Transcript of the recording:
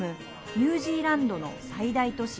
ニュージーランドの最大都市